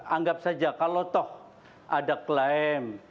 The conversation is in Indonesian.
anggap saja kalau toh ada klaim